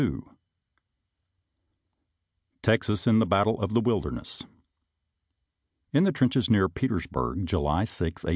XXII TEXAS IN THE BATTLE OF THE WILDEENESS In the Trenches near Petersbueg, July 6, 1864.